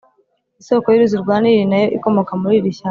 Isoko y’uruzi rwa Nili na yo ikomoka muri iri shyamba.